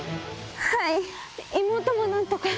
はい妹も何とか。